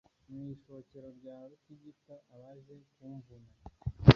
Mu ishokero rya Rutigita abaje kumvuna